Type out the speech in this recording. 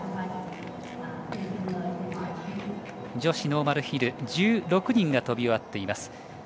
女子ノーマルヒル１６人が飛び終わっています。